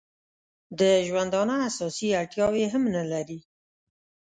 د ژوندانه اساسي اړتیاوې هم نه لري.